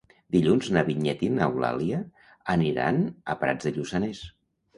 Dilluns na Vinyet i n'Eulàlia aniran a Prats de Lluçanès.